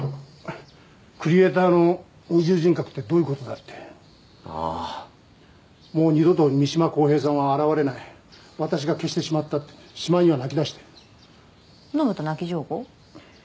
クリエイターの二重人格ってどういうことだってああもう二度と三島公平さんは現れない私が消してしまったってしまいには泣きだして飲むと泣き上戸？